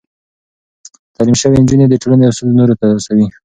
تعليم شوې نجونې د ټولنې اصول نورو ته رسوي.